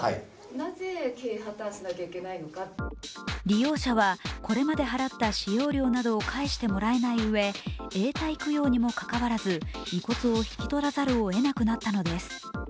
利用者は、これまで払った使用料などを返してもらえないうえ永代供養にもかかわらず遺骨を引き取らざるをえなくなったのです。